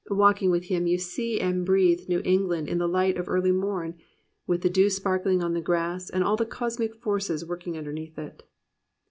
Walking with him you see and breathe New England in the light of early mom, with the dew sparkling on the grass and all the cosmic forces working underneath it.